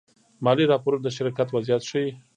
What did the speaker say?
مالي راپورونه د شرکت وضعیت ښيي.